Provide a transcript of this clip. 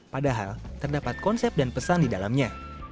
padahal terdapat konsep dan pesan di dalamnya